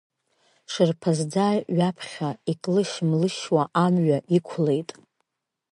Шырԥазӡа ҩаԥхьа иклышь-млышьуа амҩа иқәлеит.